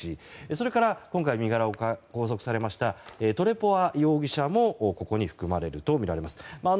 それから、今回身柄を拘束されたトレポワ容疑者もここに含まれるとみられます。